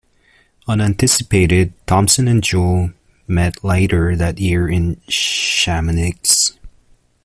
Unanticipated, Thomson and Joule met later that year in Chamonix.